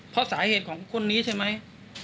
เพราะสาเหตุของคนนี้ใช่ไหม